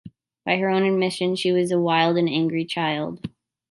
By her own admission, she was a wild and angry child.